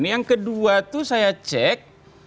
yang kedua itu saya cek